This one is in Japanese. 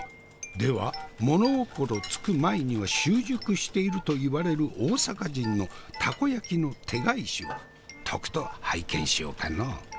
では物心付く前には習熟しているといわれる大阪人のたこ焼きの手返しをとくと拝見しようかの。